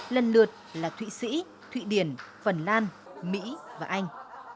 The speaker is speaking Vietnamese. lần lượt là thụy sĩ thụy điển phần lan mỹ và anh